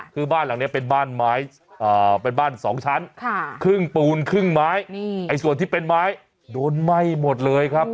คือบ้านหลังนี้เป็นบ้านไม้เป็นบ้าน๒ชั้นครึ่งปูนครึ่งไม้ส่วนที่เป็นไม้โดนไหม้หมดเลยครับ